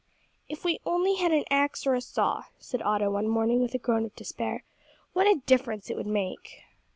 "If we had only an axe or a saw," said Otto one morning, with a groan of despair, "what a difference it would make."